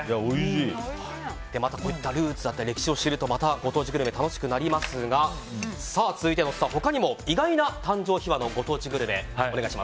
こういったルーツだったり歴史を知るとまたご当地グルメ楽しくなりますが続いて、他にも意外な誕生秘話のご当地グルメ